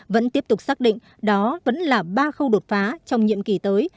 vẫn tiếp tục xác định đó vẫn là ba khâu đột phá trong nhiệm kỳ tới